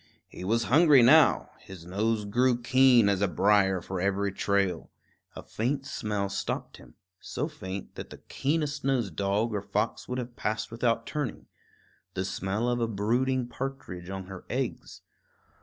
He was hungry now; his nose grew keen as a brier for every trail. A faint smell stopped him, so faint that the keenest nosed dog or fox would have passed without turning, the smell of a brooding partridge on her eggs.